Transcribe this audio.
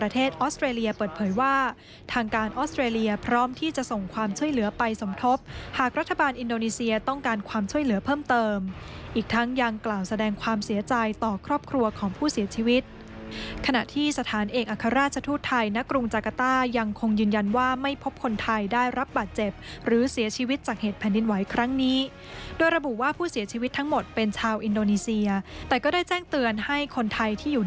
ที่เหลือเพิ่มเติมอีกทั้งยังกล่าวแสดงความเสียใจต่อครอบครัวของผู้เสียชีวิตขณะที่สถานเอกอาคาราชทูตไทยนะกรุงจากต้ายังคงยืนยันว่าไม่พบคนไทยได้รับบาดเจ็บหรือเสียชีวิตจากเหตุแผ่นดินไหวครั้งนี้โดยระบุว่าผู้เสียชีวิตทั้งหมดเป็นชาวอินโดนีเซียแต่ก็ได้แจ้งเตือนให้คนไทย